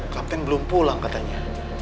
kapten belum pulang katanya